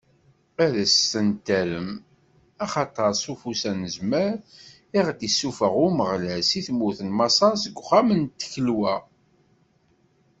Ad sen-terrem: Axaṭer, s ufus anezmar, i ɣ-d-issufeɣ Umeɣlal si tmurt n Maṣer, seg uxxam n tkelwa.